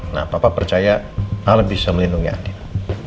nah papa percaya al bisa melindungi andien